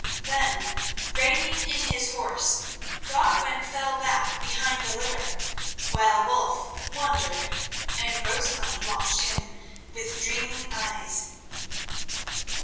Then reining in his horse, Godwin fell back behind the litter, while Wulf wondered, and Rosamund watched him with dreaming eyes.